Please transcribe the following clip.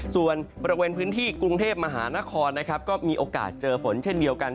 ส่วนบริเวณพื้นที่กรุงเทพมหานครนะครับก็มีโอกาสเจอฝนเช่นเดียวกัน